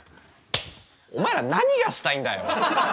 お前ら何がしたいんだよ！